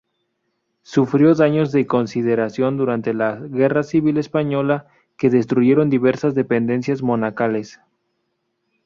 Sufrió daños de consideración durante la Guerra Civil Española que destruyeron diversas dependencias monacales.